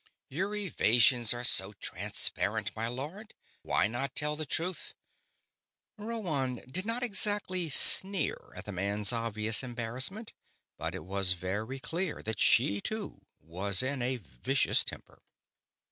"Your evasions are so transparent, my lord; why not tell the truth?" Rhoann did not exactly sneer at the man's obvious embarrassment, but it was very clear that she, too, was in a vicious temper.